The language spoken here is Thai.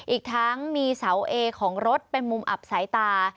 อีกทั้งมีเสาเอของรถเป็นมุมอับสายตา